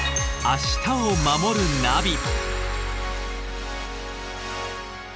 「明日をまもるナビ」